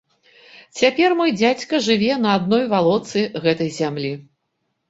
Цяпер мой дзядзька жыве на адной валоцы гэтай зямлі.